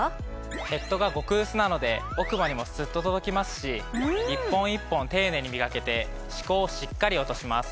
ヘッドが極薄なので奥歯にもスッと届きますし１本１本丁寧にみがけて歯垢をしっかり落とします。